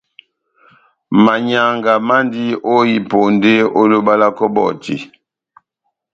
Manyianga mandi ó iponde ó loba lá kɔbɔti.